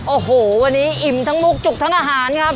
โอ้โหวันนี้อิ่มทั้งมุกจุกทั้งอาหารครับ